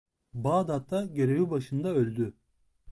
Bağdat'ta görevi başında öldü.